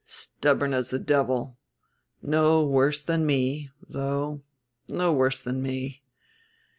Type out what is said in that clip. "Stubborn as the devil. No worse than me, though, no worse than me.